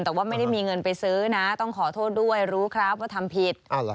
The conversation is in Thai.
แต่ว่าไม่ได้มีเงินไปซื้อนะต้องขอโทษด้วยรู้ครับว่าทำผิด